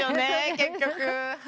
結局。